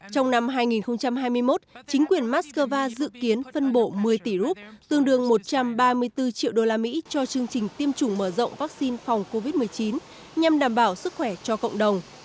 trong năm hai nghìn hai mươi một chính quyền moscow dự kiến phân bộ một mươi tỷ rup tương đương một trăm ba mươi bốn triệu đô la mỹ cho chương trình tiêm chủng mở rộng vaccine phòng covid một mươi chín nhằm đảm bảo sức khỏe cho cộng đồng